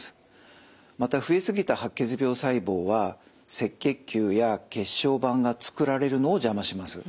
また増えすぎた白血病細胞は赤血球や血小板がつくられるのを邪魔します。